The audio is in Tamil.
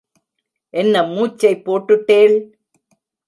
என்ன மூச்சை போட்டுட்டேள்?